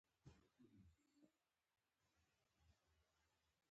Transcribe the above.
له لښکره څو کسان مخې ته راغلل.